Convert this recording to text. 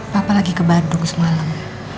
papa lagi ke bandung semalam